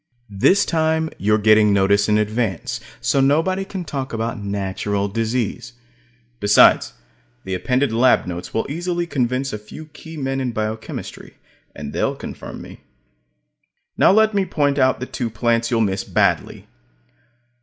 This time, you're getting notice in advance, so nobody can talk about "natural" disease. Besides, the appended lab notes will easily convince a few key men in biochemistry; and they'll confirm me. Now let me point out the two plants you'll miss badly.